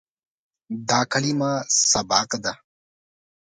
دا کلمه "سبق" ده.